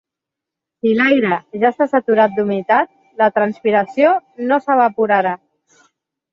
Si l'aire ja està saturat d'humitat, la transpiració no s'evaporarà.